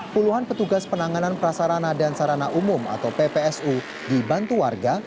puluhan petugas penanganan prasarana dan sarana umum atau ppsu dibantu warga